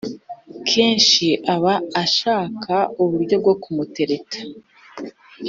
kenshi aba ashaka uburyo bwo kumutereta.